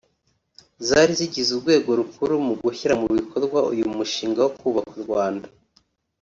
Zari zigize urwego rukuru mu gushyira mu bikorwa uyu mushinga wo kubaka u Rwanda